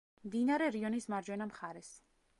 მდინარე რიონის მარჯვენა მხარეს.